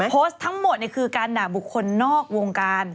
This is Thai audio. โพสต์ทั้งหมดคือการด่าบุคคลนอกวงการ